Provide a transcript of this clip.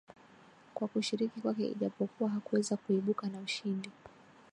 kwa kushiriki kwake ijapokuwa hakuweza kuibuka na ushindi